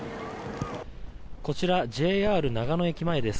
こちらＪＲ長野駅前です。